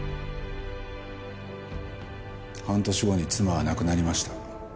半年後に妻は亡くなりました。